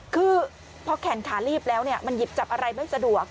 คือพอแขนขาลีบแล้วมันหยิบจับอะไรไม่สะดวก